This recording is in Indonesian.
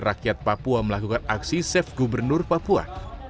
rakyat papua melakukan aksi safe gubernur papua